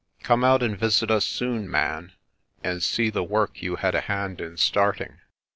Come out and visit us soon, man, and see the work you had a hand in starting.